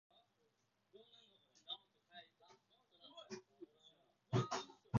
今朝ベッドの角に小指をぶつけました。